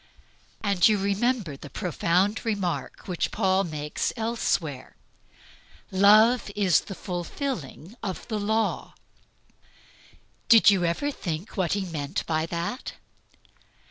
You remember the profound remark which Paul makes elsewhere, "Love is the fulfilling of the law." Did you ever think what he meant by that?